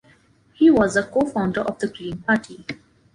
He was a co-founder of the Green Party.